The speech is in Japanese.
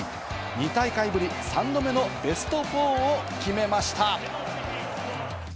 ２大会ぶり、３度目のベスト４を決めました。